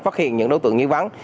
phát hiện những đối tượng nghi vắng